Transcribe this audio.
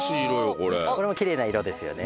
これもきれいな色ですよね。